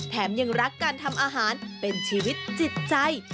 ยังรักการทำอาหารเป็นชีวิตจิตใจ